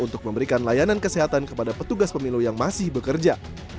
untuk memberikan layanan kesehatan kepada petugas pemilu yang masih bekerja